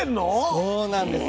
そうなんです。